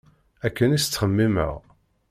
Akken i s-ttxemmimeɣ.